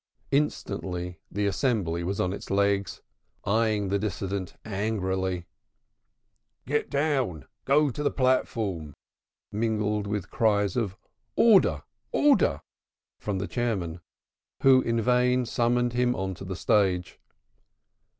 Instantly the assembly was on its legs, eyeing the dissentient angrily. "Get down! Go on the platform!" mingled with cries of "order" from the Chairman, who in vain summoned him on to the stage.